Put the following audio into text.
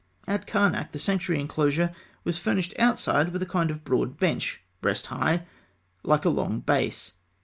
At Karnak, the sanctuary enclosure was furnished outside with a kind of broad bench, breast high, like a long base.